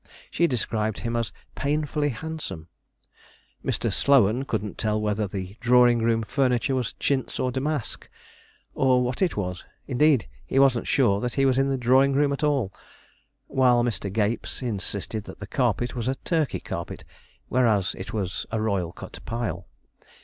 She described him as 'painfully handsome.' Mr. Slowan couldn't tell whether the drawing room furniture was chintz, or damask, or what it was; indeed, he wasn't sure that he was in the drawing room at all; while Mr. Gapes insisted that the carpet was a Turkey carpet, whereas it was a royal cut pile.